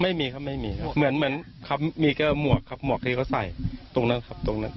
ไม่มีครับไม่มีครับเหมือนเหมือนครับมีแค่หมวกครับหมวกที่เขาใส่ตรงนั้นครับตรงนั้น